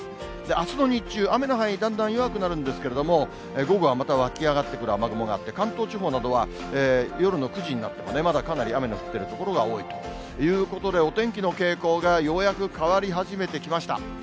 あすの日中、雨の範囲、だんだん弱くなるんですけれども、午後はまた湧き上がってくる雨雲があって、関東地方などは夜の９時になってもまだかなり雨の降ってる所が多いということで、お天気の傾向がようやく変わり始めてきました。